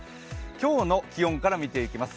今日の気温から見ていきます。